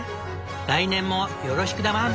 来年もよろしくだワン！」。